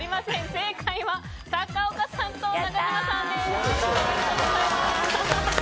正解は高岡さんと中島さんです。